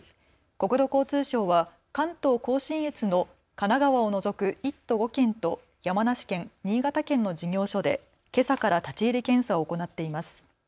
国土交通省は関東甲信越の神奈川を除く１都５県と山梨県、新潟県の事業所でけさから立ち入り検査を行っています。